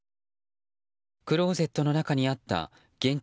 クローゼットの中にあった現金